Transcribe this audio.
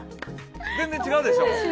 全然違うでしょ。